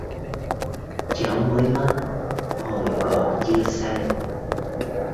cháu mới mất hồi còn chưa xanh